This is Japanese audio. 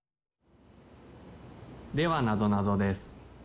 ・ではなぞなぞです。